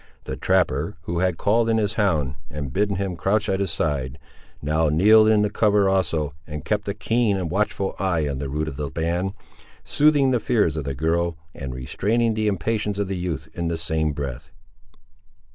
The trapper, who had called in his hound, and bidden him crouch at his side, now kneeled in the cover also, and kept a keen and watchful eye on the route of the band, soothing the fears of the girl, and restraining the impatience of the youth, in the same breath.